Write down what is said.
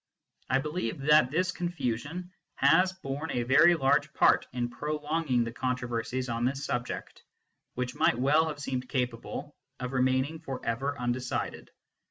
I believe that this confusion has borne a very large part in prolonging the controversies on this subject, which might well have seemed capable of remaining for ever undecided.